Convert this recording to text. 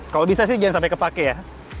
kalau bisa sih jangan sampai kepake ya